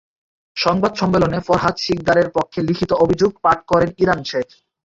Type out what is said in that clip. সংবাদ সম্মেলনে ফরহাদ শিকদারের পক্ষে লিখিত অভিযোগ পাঠ করেন ইরান শেখ।